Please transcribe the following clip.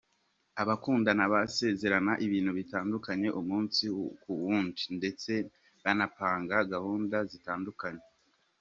Abakundana basezerana ibintu bitandukanye umunsi ku wundi ndetse banapanga gahunda zitandukanye.